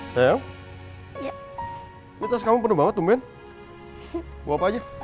sayo ya itas kamu penuh banget dengan gua apa aja